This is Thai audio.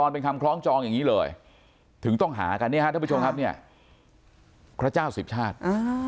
เป็นครองจองต้องหากันนะครับพระเจ้าสิบชาติ